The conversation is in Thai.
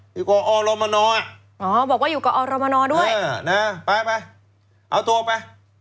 อยู่กับอ๋อบอกว่าอยู่กับด้วยเออนะไปไปเอาตัวไป